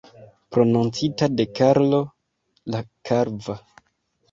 Prononcita de Karlo la Kalva.